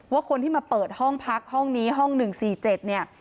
ว่าคนที่มาเปิดห้องพักห้องนี้ห้องหนึ่งสี่เจ็ดเนี่ย